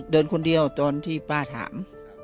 เดินคนเดียวตอนที่ป้าถาม